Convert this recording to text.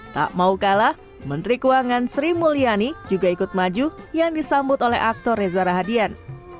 tak mau kalah menteri keuangan sri mulyani juga ikut maju yang disambut oleh aktor reza rahadian